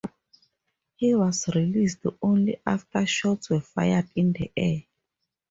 He was released only after shots were fired in the air.